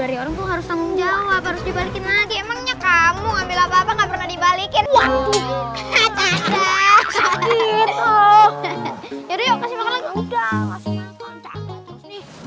harus harusnya dibalikin lagi emangnya kamu ngambil apa apa nggak pernah dibalikin